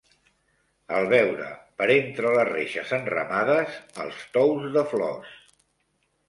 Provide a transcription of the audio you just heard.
Al veure per entre les reixes enramades els tous de flors